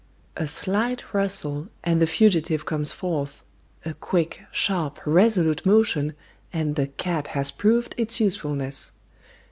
A slight rustle, and the fugitive comes forth; a quick, sharp, resolute motion, and the cat has proved its usefulness.